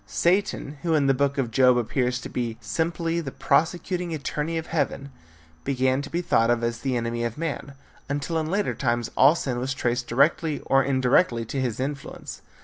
Satan, who in the book of Job appears to be simply the prosecuting attorney of heaven, began to be thought of as the enemy of man, until in later times all sin was traced directly or indirectly to his influence.